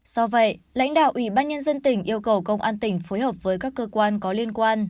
do vậy lãnh đạo ủy ban nhân dân tỉnh yêu cầu công an tỉnh phối hợp với các cơ quan có liên quan